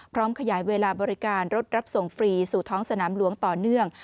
ขยายเวลาบริการรถรับส่งฟรีสู่ท้องสนามหลวงต่อเนื่อง